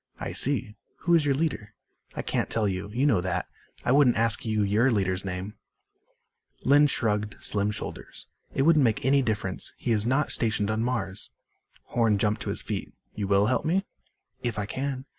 "I see. Who is your leader?" "I can't tell you. You know that. I wouldn't ask you your leader's name." Lynn shrugged slim shoulders. "It wouldn't make any difference. He is not stationed on Mars." Horn jumped to his feet. "You will help me?" "If I can."